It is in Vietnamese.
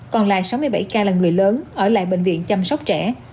còn lại sáu mươi bảy ca là người lớn ở lại bệnh viện chăm sóc trẻ